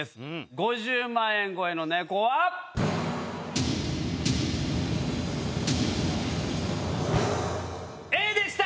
５０万円超えのネコは⁉Ａでした！